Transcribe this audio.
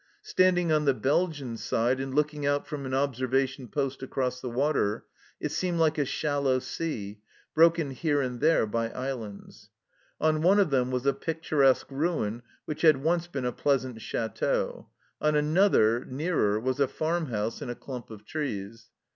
Standing on the Belgian side, and looking out from an observation post across the water, it seemed like a shallow sea, broken here and there by islands. On one of them was a picturesque ruin which had once been a pleasant chateau ; on another, nearer, was a farm house in a clump of trees.